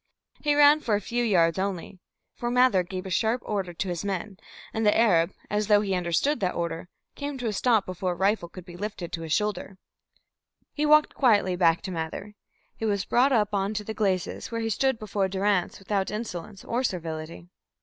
He ran for a few yards only. For Mather gave a sharp order to his men, and the Arab, as though he understood that order, came to a stop before a rifle could be lifted to a shoulder. He walked quietly back to Mather. He was brought up on to the glacis, where he stood before Durrance without insolence or servility.